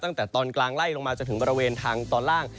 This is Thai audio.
ตั้งแต่ตอนกลางไล่ลงมาจนถึงบริเวณทางตอนล่าง